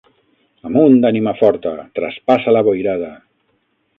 Amunt ànima forta! Traspassa la boirada!